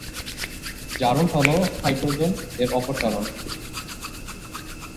জারণ হলো হাইড্রোজেন এর অপসারণ।